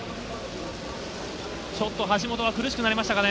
ちょっと橋本が苦しくなりましたかね。